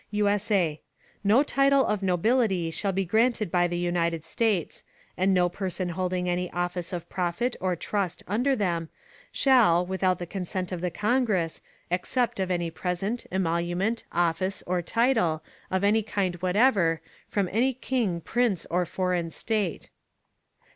[USA] No Title of Nobility shall be granted by the United States: And no Person holding any Office of Profit or Trust under them, shall, without the Consent of the Congress, accept of any present, Emolument, Office, or Title, of any kind whatever, from any King, Prince, or foreign State.